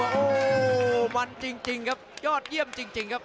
โอ้โหมันจริงครับยอดเยี่ยมจริงครับ